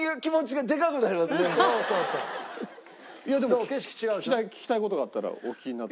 いやでも聞きたい事があったらお聞きになって。